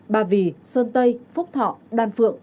ba vì sơn tây phúc thọ đan phượng